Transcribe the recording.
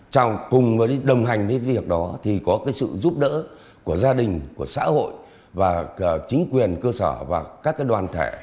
chào cùng với đồng hành với việc đó thì có cái sự giúp đỡ của gia đình của xã hội và chính quyền cơ sở và các đoàn thể